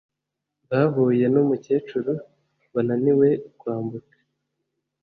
bahuye numukecuru wananiwe kwambuka